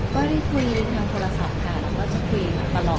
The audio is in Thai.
ก็ได้คุยทางโทรศัพท์ค่ะแล้วก็จะคุยตลอด